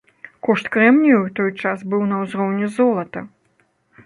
Кошт крэмнію ў той час быў на ўзроўні золата.